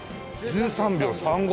１３秒３５。